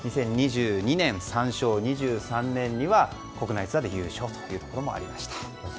２０２０年、２０２１年には国内ツアーで優勝というところもありました。